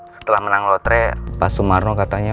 setelah menang lotre pak sumarno katanya